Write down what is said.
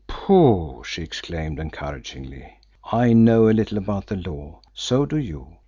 "Pooh!" she exclaimed encouragingly. "I know a little about the law so do you.